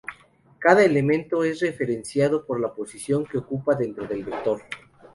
Cada elemento es referenciado por la posición que ocupa dentro del vector.